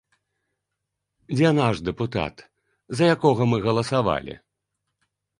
Дзе наш дэпутат, за якога мы галасавалі?